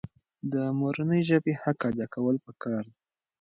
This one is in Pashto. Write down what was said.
د مورنۍ ژبې حق ادا کول پکار دي.